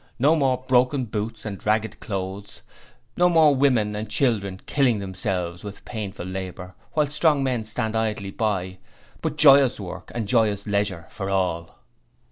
No more broken boots and ragged clothes. No more women and children killing themselves with painful labour whilst strong men stand idly by; but joyous work and joyous leisure for all.'